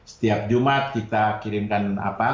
setiap jumat kita kirimkan